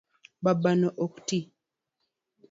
Babano ok ti